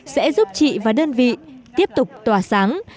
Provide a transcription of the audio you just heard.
sẽ giúp chị và đơn vị tiếp tục tỏa sáng